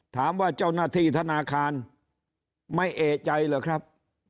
ถามว่าเจ้าหน้าที่ธนาคารไม่เอกใจเหรอครับ